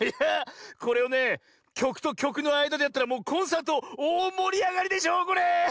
これをねきょくときょくのあいだでやったらもうコンサートおおもりあがりでしょうこれ。